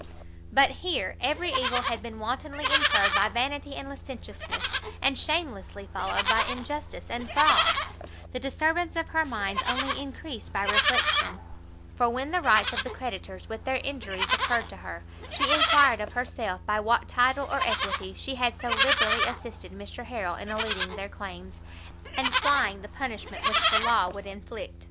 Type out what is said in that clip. But here, every evil had been wantonly incurred by vanity and licentiousness, and shamelessly followed by injustice and fraud; the disturbance of her mind only increased by reflection, for when the rights of the creditors with their injuries occurred to her, she enquired of herself by what title or equity, she had so liberally assisted Mr Harrel in eluding their claims, and flying the punishment which the law would inflict.